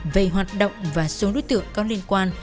về hoạt động và số đối tượng có liên quan